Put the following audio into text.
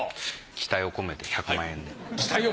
期待を込めて１００万円？